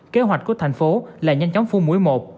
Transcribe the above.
kế hoạch của thành phố là nhanh chóng phun mũi một